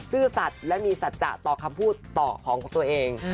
ซื่อสัตว์และมีสัจจะต่อคำพูดต่อของตัวเอง